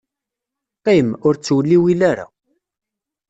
Qqim, ur ttewliwil ara.